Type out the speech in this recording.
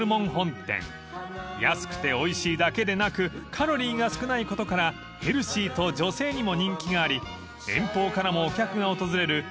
［安くておいしいだけでなくカロリーが少ないことからヘルシーと女性にも人気があり遠方からもお客が訪れる大人気店です］